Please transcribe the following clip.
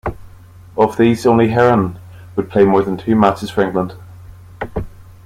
Of these only Heron would play more than two matches for England.